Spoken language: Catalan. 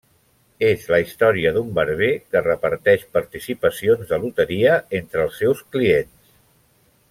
És la història d'un barber que reparteix participacions de loteria entre els seus clients.